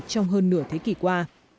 trong hơn nửa thế kỷ qua